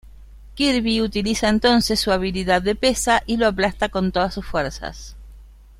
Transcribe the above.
Kirby utiliza entonces su habilidad de pesa y lo aplasta con todas sus fuerzas.